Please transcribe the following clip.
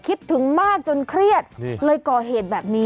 คิดถึงมากจนเครียดเลยก่อเหตุแบบนี้